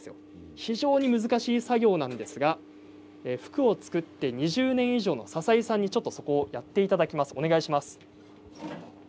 非常に難しい作業なんですが服を作って２０年以上のささいさんにやっていただきます。